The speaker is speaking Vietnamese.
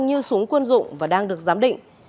như súng quân dụng và đang được giám định